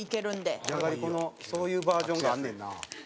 じゃがりこのそういうバージョンがあんねんな。